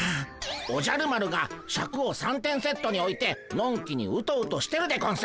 おじゃる丸がシャクを三点セットにおいてのんきにうとうとしてるでゴンス。